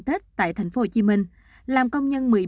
tết tại tp hcm làm công nhân